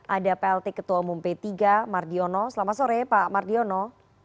ada plt ketua umum p tiga mardiono selamat sore pak mardiono